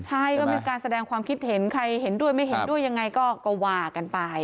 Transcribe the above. ใช่ก็มีการแสดงความคิดเห็นใครเห็นด้วยไม่เห็นด้วยยังไงก็ว่ากันไป